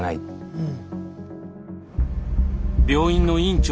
うん。